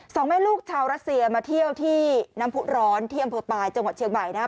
สองแม่ลูกชาวรัสเซียมาเที่ยวที่น้ำผู้ร้อนที่อำเภอปลายจังหวัดเชียงใหม่นะครับ